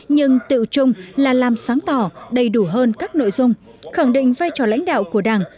nhưng tự trung là làm sáng tỏ đầy đủ hơn các nội dung khẳng định vai trò lãnh đạo của đảng